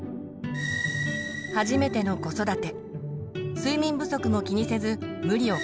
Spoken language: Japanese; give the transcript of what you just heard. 初めての子育て。